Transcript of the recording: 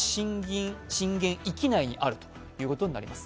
震源域内にあるということになります。